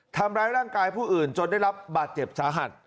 ทำร้ายร่างกายผู้อื่นจนได้รับบาดเจ็บสาหัส